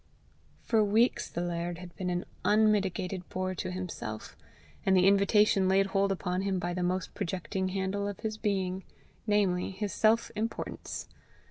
For weeks the laird had been an unmitigated bore to himself, and the invitation laid hold upon him by the most projecting handle of his being, namely, his self importance.